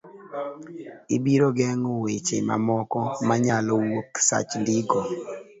Ibiro geng'o weche mamoko ma nyalo wuok sach ndiko